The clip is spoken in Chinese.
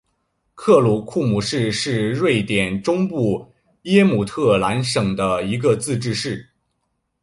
克鲁库姆市是瑞典中部耶姆特兰省的一个自治市。